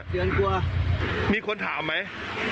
เดือนกลัวมีคนถามไหม